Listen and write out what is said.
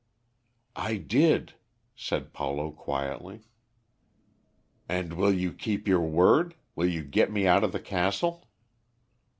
"I did," said Paulo quietly. "And will you keep your word? will you get me out of the castle?"